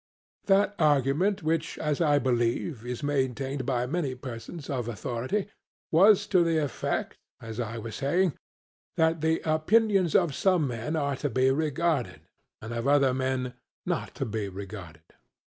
That argument, which, as I believe, is maintained by many persons of authority, was to the effect, as I was saying, that the opinions of some men are to be regarded, and of other men not to be regarded.